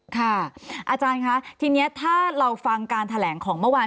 อาจารย์คะทีนี้ถ้าเราฟังการแถลงของเมื่อวาน